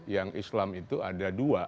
yang islam itu ada dua